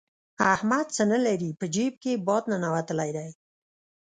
احمد څه نه لري؛ په جېب کې يې باد ننوتلی دی.